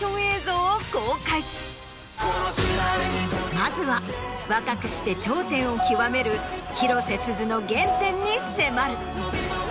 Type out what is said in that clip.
まずは若くして頂点を極める広瀬すずの原点に迫る。